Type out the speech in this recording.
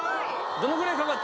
どのぐらいかかった？